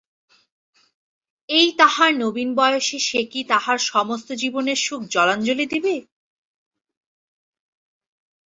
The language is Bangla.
এই তাহার নবীন বয়সে সে কি তাহার সমস্ত জীবনের সুখ জলাঞ্জলি দিবে?